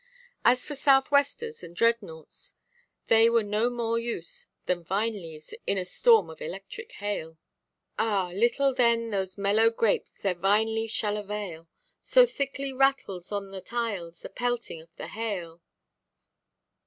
As for south–westers and dreadnoughts, they were no more use than vine–leaves in a storm of electric hail. "Ah, little then those mellow grapes their vine–leaf shall avail, So thickly rattles on the tiles the pelting of the hail."